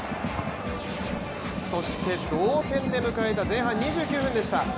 そして同点で迎えた前半２９分でした。